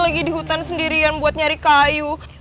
lagi di hutan sendirian buat nyari kayu